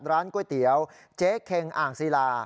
ร้านก๋วยเตี๋ยวเจ๊เค็งอ่างศิลา